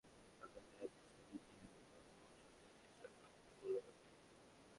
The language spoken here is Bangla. সত্যিকারের মুসলমানেরা জানেন, তথাকথিত ইসলামি জিহাদিদের ভয়াবহ সন্ত্রাস ইসলামের প্রকৃত মূল্যবোধবিরোধী।